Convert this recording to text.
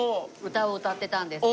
歌を歌ってたんですね。